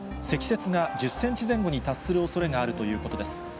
積雪が１０センチ前後に達するおそれがあるということです。